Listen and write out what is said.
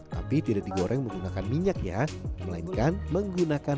tapi tidak digoreng menggunakan minyak ya melainkan menggunakan air